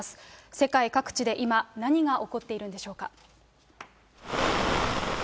世界各地で今、何が起こっているんでしょうか。